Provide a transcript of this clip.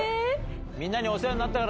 みんなにお世話になったから。